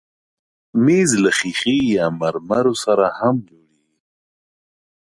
مېز له ښیښې یا مرمرو سره هم جوړېږي.